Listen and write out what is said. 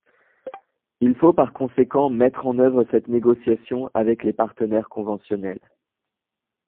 Il faut par conséquent mettre en œuvre cette négociation avec les partenaires conventionnels.